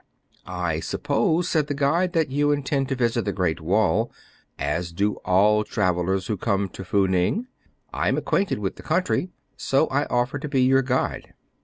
"I suppose,'* said the guide, "that you intend to visit the Great Wall, as do all travellers who come to Fou Ning. I am acquainted with the country, so I offer to be your guide.